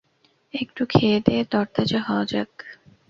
একটু খেয়ে দেয়ে তরতাজা হওয়া যাক।